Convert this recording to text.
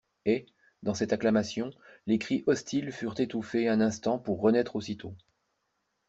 Et, dans cette acclamation, les cris hostiles furent étouffés un instant pour renaître aussitôt.